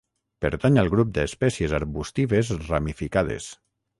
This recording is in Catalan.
Pertany al grup d'espècies arbustives ramificades.